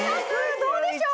どうでしょう？